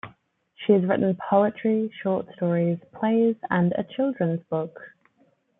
She has written poetry, short stories, plays, and a children's book.